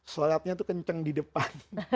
salatnya itu kencang di depan